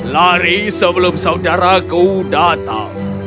lari sebelum saudaraku datang